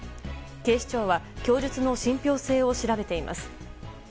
警視庁は供述の信憑性を調べています。